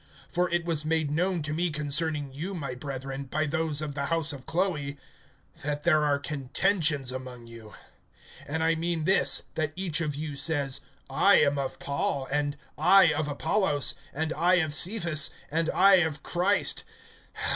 (11)For it was made known to me concerning you, my brethren; by those of the house of Chloe, that there are contentions among you. (12)And I mean this, that each of you says, I am of Paul; and I of Apollos; and I of Cephas; and I of Christ.